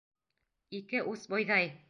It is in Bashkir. Ике ус бойҙай.